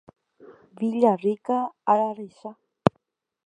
Villarrica ararecha.